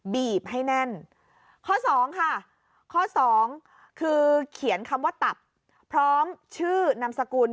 บีบให้แน่นข้อสองค่ะข้อสองคือเขียนคำว่าตับพร้อมชื่อนามสกุล